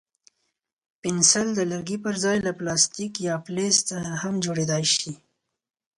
پنسل د لرګي پر ځای له پلاستیک یا فلز څخه هم جوړېدای شي.